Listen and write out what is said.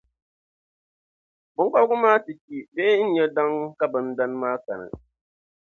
biŋkɔbigu maa ti kpi bee n-nya daŋa, ka bindana maa kani.